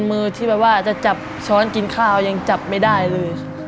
มือที่แบบว่าจะจับช้อนกินข้าวยังจับไม่ได้เลย